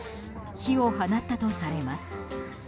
火を放ったとされます。